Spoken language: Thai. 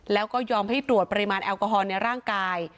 แล้วก็ยอมให้ตรวจปริมาณแอลกอฮอลในร่างกาย